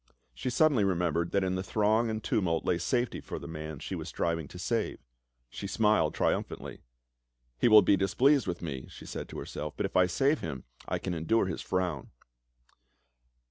She sud denly remembered that in the throng and tumult lay safety for the man she was striving to save. She smiled triumphantly. " He will be displeased with me," she said to herself, "but if I save him I can endure his frown."